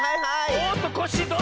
おっとコッシーどうぞ！